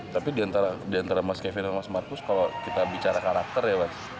tapi di antara mas kevi dan mas marcus kalau kita bicara karakter ya mas